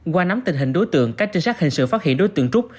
qua nắm tình hình đối tượng các trinh sát hình sự phát hiện đối tượng trúc